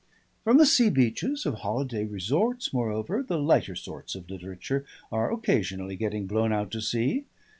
From the sea beaches of holiday resorts, moreover, the lighter sorts of literature are occasionally getting blown out to sea.